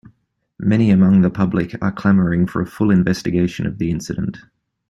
Many among the public are clamoring for a full investigation of the incident.